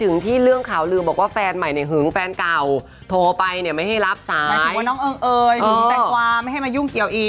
ถึงแตงกวาไม่ให้มายุ่งเกี่ยวอีม